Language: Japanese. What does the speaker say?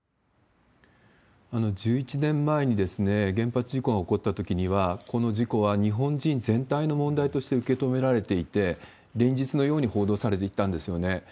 １１年前に原発事故が起こったときには、この事故は日本人全体の問題として受け止められていて、連日のように報道されていたんですよね。